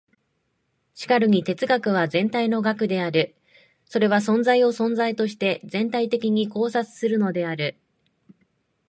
しかるに哲学は全体の学である。それは存在を存在として全体的に考察するのである。